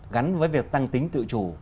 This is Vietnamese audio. gắn với việc tăng tính tự chủ